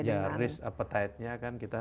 ya risk appetite nya kan kita